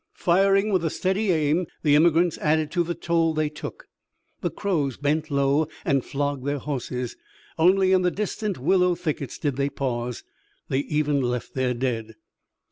Firing with a steady aim, the emigrants added to the toll they took. The Crows bent low and flogged their horses. Only in the distant willow thickets did they pause. They even left their dead.